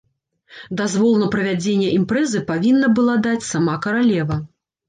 Дазвол на правядзенне імпрэзы павінна была даць сама каралева.